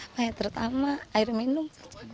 apa yang terutama air minum